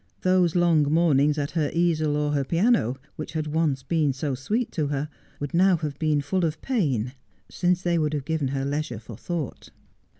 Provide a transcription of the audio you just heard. Those long mornings at her easel or her piano, which had once been so sweet to her, would now have been full of pain, since they would have given her leisure for thought.